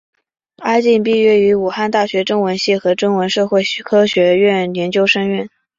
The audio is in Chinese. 陈晋毕业于武汉大学中文系和中国社会科学院研究生院。